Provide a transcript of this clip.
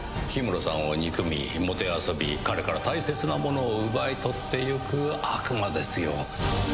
氷室さんを憎みもてあそび彼から大切なものを奪い取ってゆく悪魔ですよ。